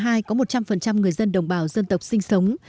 tỉnh bà hai có một trăm linh người dân đồng bào dân tộc sinh sống